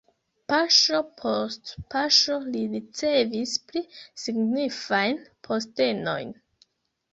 Paŝo post paŝo li ricevis pli signifajn postenojn.